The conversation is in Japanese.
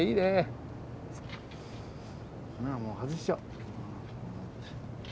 もう外しちゃおう。